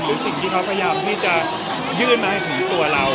หรือสิ่งที่เขาพยายามที่จะยื่นมาให้ถึงตัวเรา